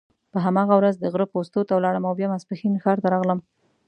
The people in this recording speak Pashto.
په هماغه ورځ د غره پوستو ته ولاړم او بیا ماپښین ښار ته راغلم.